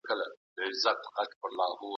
هغه غوښتل چي افغانستان عصري او پرمختللی سي.